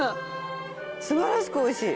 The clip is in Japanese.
素晴らしくおいしい。